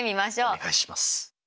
お願いします。